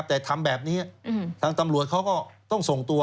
แต่ทำแบบนี้ทางตำรวจเขาก็ต้องส่งตัว